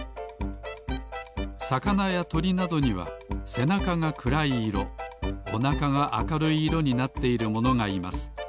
さかなやとりなどにはせなかがくらい色おなかがあかるい色になっているものがいます